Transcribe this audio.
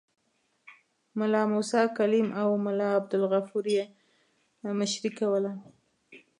ملا موسی کلیم او ملا عبدالغفور یې مشري کوله.